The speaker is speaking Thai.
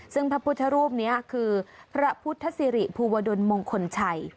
ซึ่งพระพุทธรูปนี้คือพระพุทธศิริภูวดลมงคลชัย